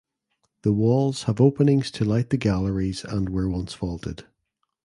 The walls have openings to light the galleries and were once vaulted.